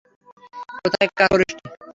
কোথায় কাজ করিস তুই?